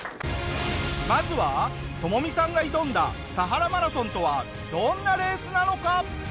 まずはトモミさんが挑んだサハラマラソンとはどんなレースなのか？